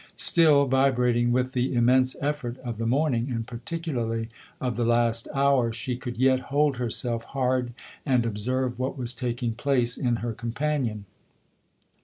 Still vibrating with the immense effort of the morning and particularly of the last hour, she could yet hold herself hard and observe what was taking place in her companion.